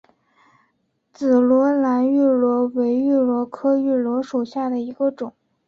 紫萝兰芋螺为芋螺科芋螺属下的一个种。